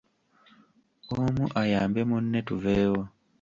Omu ayambe munne tuveewo.